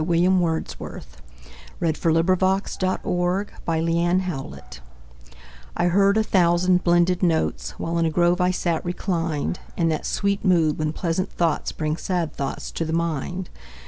William Wordsworth Lines Written in Early Spring I HEARD a thousand blended notes, While in a grove I sate reclined, In that sweet mood when pleasant thoughts Bring sad thoughts to the mind.